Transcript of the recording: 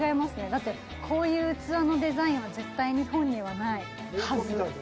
だって、こういう器のデザインは絶対、日本にはないはず。